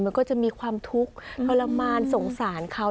มันก็จะมีความทุกข์ทรมานสงสารเขา